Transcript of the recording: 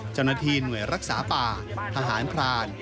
เจ้าหน้าที่หน่วยรักษาป่าทหารพราน